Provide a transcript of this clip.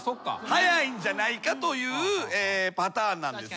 早いんじゃないかというパターンなんですよ。